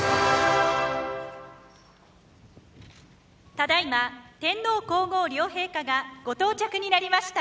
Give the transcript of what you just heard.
ただいま天皇皇后両陛下がご到着になりました。